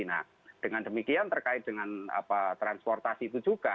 nah dengan demikian terkait dengan transportasi itu juga